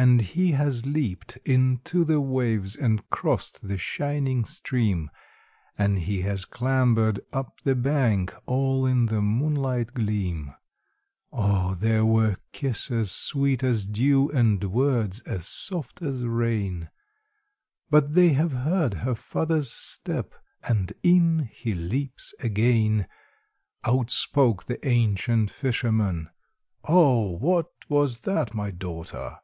And he has leaped into the waves, and crossed the shining stream, And he has clambered up the bank, all in the moonlight gleam; Oh there were kisses sweet as dew, and words as soft as rain, But they have heard her father's step, and in he leaps again! Out spoke the ancient fisherman, "Oh, what was that, my daughter?"